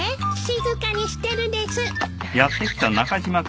静かにしてるです。